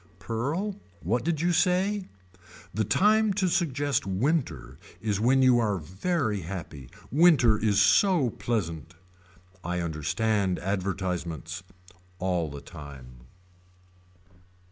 Pearl. What did you say. The time to suggest winter is when you are very happy. Winter is so pleasant. I understand advertisements. All the time.